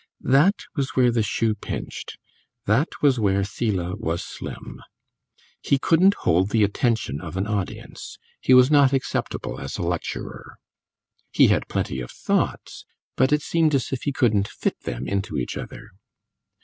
That was where the shoe pinched that was where Selah was slim. He couldn't hold the attention of an audience, he was not acceptable as a lecturer. He had plenty of thoughts, but it seemed as if he couldn't fit them into each other.